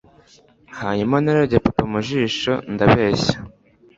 Hanyuma narebye papa mu jisho ndabeshya.